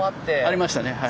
ありましたねはい。